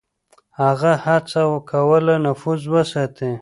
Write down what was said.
هغه هڅه کوله نفوذ وساتي.